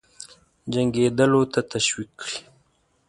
جنګېدلو ته تشویق کړي.